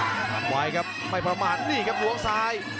แล้วไหวครับไม่ประมาทนี่ครับละวงสาย